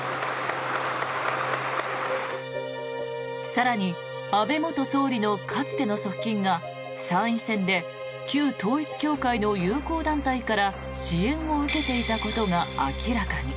更に、安倍元総理のかつての側近が参院選で旧統一教会の友好団体から支援を受けていたことが明らかに。